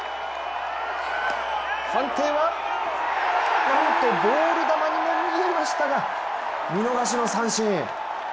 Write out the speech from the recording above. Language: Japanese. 判定はなんとボール球にも見えましたが見逃しの三振。